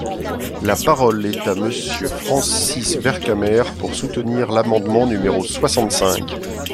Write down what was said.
La parole est à Monsieur Francis Vercamer, pour soutenir l’amendement numéro soixante-cinq.